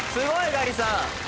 ガリさん。